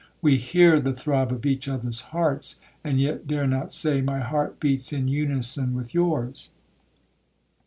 We hear the throb of each others hearts, and yet dare not say, 'My heart beats in unison with yours.'